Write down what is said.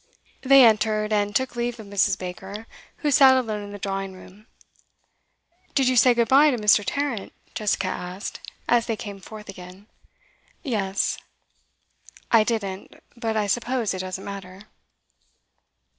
They entered, and took leave of Mrs. Baker, who sat alone in the drawing room. 'Did you say good bye to Mr. Tarrant?' Jessica asked, as they came forth again. 'Yes.' 'I didn't. But I suppose it doesn't matter.